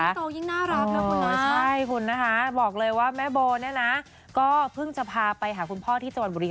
นี่โตยิ่งน่ารักนะคุณนะ